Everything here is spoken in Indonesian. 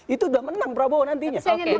itu udah menang prabowo nantinya